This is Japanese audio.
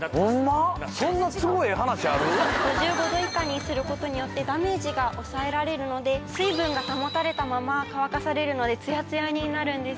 ５５度以下にする事によってダメージが抑えられるので水分が保たれたまま乾かされるのでツヤツヤになるんです。